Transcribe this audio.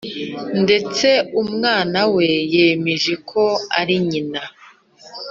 , ndetse umwana we yemeje ko ari nyina.